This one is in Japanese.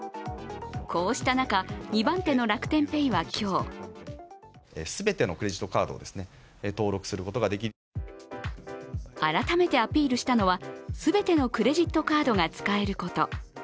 こうした中、２番手の楽天ペイは今日改めてアピールしたのは、全てのクレジットカードが使えること。